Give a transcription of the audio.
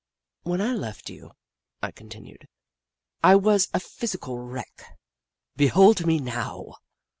" When I left you," I continued, " I was a physical wreck. Behold me now